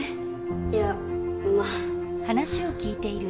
いやまあ。